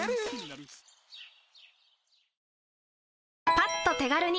パッと手軽に！